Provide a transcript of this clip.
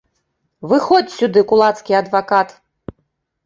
Выходзь сюды, кулацкі адвакат!